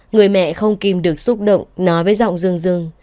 người mẹ không kim được xúc động nói với giọng rừng rừng